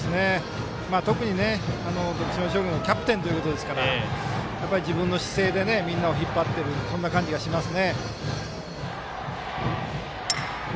特に徳島商業のキャプテンということですから自分の姿勢でみんなを引っ張ってる感じがします。